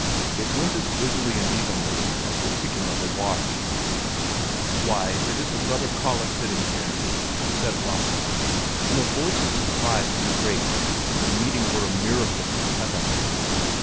It went as busily and evenly as the ticking of a watch. "Why, if that isn't Brother Kalle sitting there!" said Lasse, in a voice of surprise as great as if the meeting were a miracle from heaven.